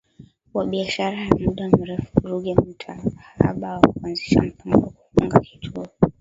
wa biashara wa muda mrefu Ruge Mutahaba na kuanzisha mpango wa kufungua kituo